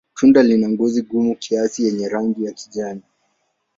Tunda lina ngozi gumu kiasi yenye rangi ya kijani.